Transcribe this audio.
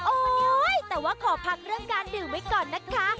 แต่ว่าขอพักเรื่องการดื่มไว้ก่อนนะคะ